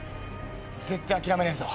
絶対諦めねえぞ。